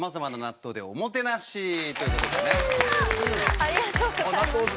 ありがとうございます。